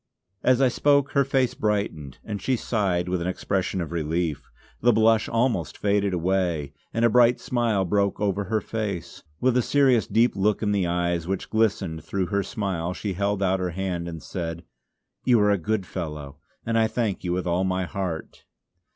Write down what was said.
As I spoke her face brightened and she sighed with an expression of relief. The blush almost faded away, and a bright smile broke over her face. With a serious deep look in the eyes which glistened through her smile she held out her hand and said: "You are a good fellow, and I thank you with all my heart."